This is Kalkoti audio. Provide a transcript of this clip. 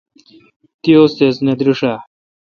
تی ؤستیذ نہ دریݭ آ؟